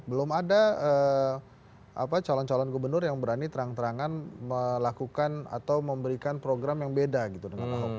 belum ada calon calon gubernur yang berani terang terangan melakukan atau memberikan program yang beda gitu dengan ahok